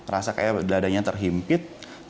rasa kayak dadanya terhimpit